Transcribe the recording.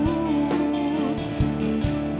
melepasmu dari hidupku